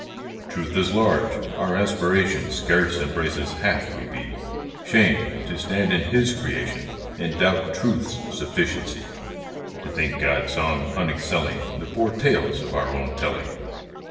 Truth is large. Our aspiration Scarce embraces half we be. Shame ! to stand in His creation And doubt Truth's sufficiency! To think God's song unexcelling The poor tales of our own telling.